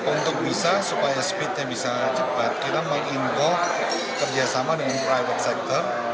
untuk bisa supaya speednya bisa cepat kita menginfo kerjasama dengan private sector